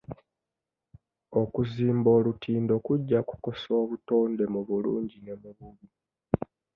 Okuzimba olutindo kujja kukosa obutonde mu bulungi ne mu bubi.